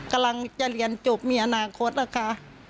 กำลังจะเรียนจบมีอนาคตนะคะ